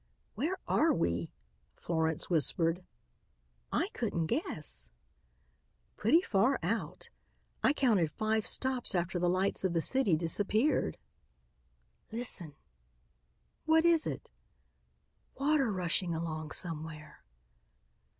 "Where are we?" Florence whispered. "I couldn't guess." "Pretty far out. I counted five stops after the lights of the city disappeared." "Listen." "What is it?" "Water rushing along somewhere."